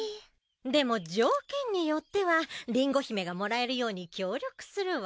でも条件によってはリンゴ姫がもらえるように協力するわ。